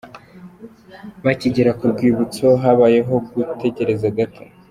Bakigera ku rwibutso habayeho gutegereza gato.